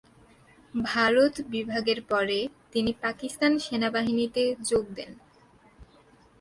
ভারত বিভাগের পরে তিনি পাকিস্তান সেনাবাহিনীতে যোগ দেন।